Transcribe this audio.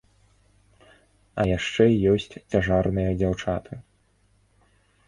А яшчэ ёсць цяжарныя дзяўчаты.